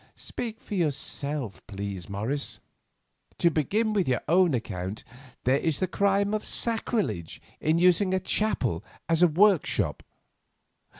"Speak for yourself, please, Morris. To begin with your own account, there is the crime of sacrilege in using a chapel as a workshop.